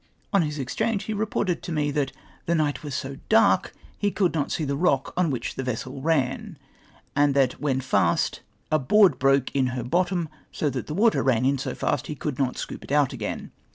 On his exchange he reported to me that " the night was so dark, he could not see the rock on which the vessel ran!" and that when fast, "a hoard broke in her bottom, so that the water ran in so fast, he could not scoop it out again